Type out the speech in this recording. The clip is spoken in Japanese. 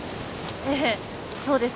ええそうです。